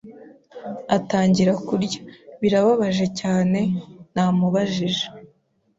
atangira kurya. “Birababaje cyane?” Namubajije.